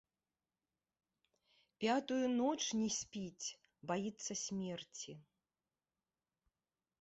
Пятую ноч не спіць, баіцца смерці.